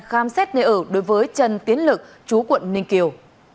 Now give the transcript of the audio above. khám xét nơi ở đối với trần tiến lực chú quận ninh kiều